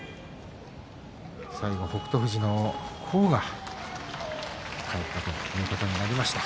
最後、北勝富士の甲が返っていたということになりました。